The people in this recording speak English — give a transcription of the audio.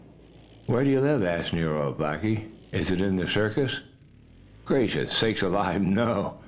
"Where do you live?" asked Nero of Blackie. "Is it in a circus?" "Gracious sakes alive, no!"